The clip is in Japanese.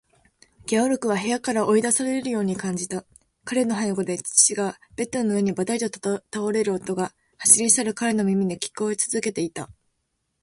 ゲオルクは部屋から追い出されるように感じた。彼の背後で父がベッドの上にばたりと倒れる音が、走り去る彼の耳に聞こえつづけていた。